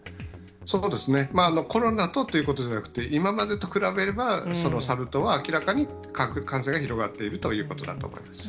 そうですね、コロナとということじゃなくて、今までと比べれば、そのサル痘は明らかに感染が広がっているということだと思います。